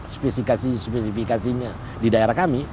spesifikasi spesifikasinya di daerah kami